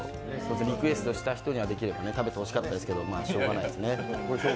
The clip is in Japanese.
リクエストした人にはできれば食べてほしかったんですけどしょうがないですね。